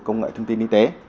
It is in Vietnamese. công nghệ thông tin y tế